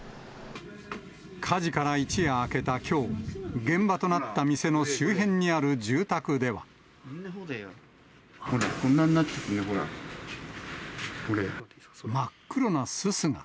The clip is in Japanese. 火事から一夜明けたきょう、現場となった店の周辺にある住宅ほら、真っ黒なすすが。